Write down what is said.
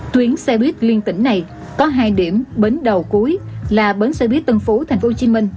tuyến xe buýt liên tỉnh này có hai điểm bến đầu cuối là bến xe buýt tân phú tp hcm